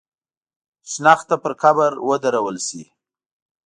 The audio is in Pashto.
شنخته پر قبر ودرول شي.